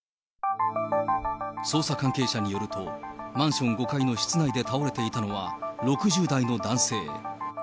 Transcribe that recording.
捜査関係者によると、マンション５階の室内で倒れていたのは６０代の男性。